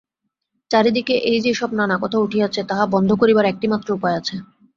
চারি দিকে এই যে-সব নানা কথা উঠিয়াছে তাহা বন্ধ করিবার একটিমাত্র উপায় আছে।